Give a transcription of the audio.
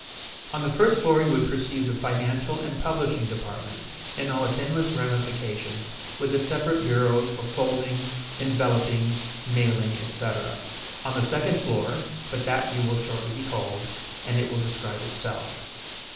On the first floor you would perceive the financial and publishing department in all its endless ramifications, with the separate bureaus for folding, enveloping, mailing, etc. On the second floor but that you will shortly behold, and it will describe itself.